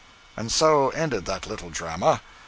And so ended that little drama.